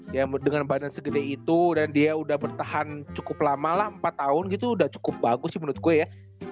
ya dengan badan segede itu dan dia udah bertahan cukup lama lah empat tahun gitu udah cukup bagus sih menurut gue ya